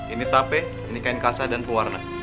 ini tape ini kain kasah dan pewarna